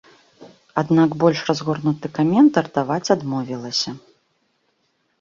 Аднак больш разгорнуты каментар даваць адмовілася.